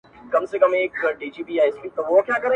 ککرۍ به ماتوي د مظلومانو!.